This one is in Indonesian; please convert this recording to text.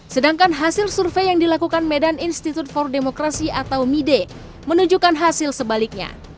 sedangkan hasil survei yang dilakukan medan institute for democracy atau mide menunjukkan hasil sebaliknya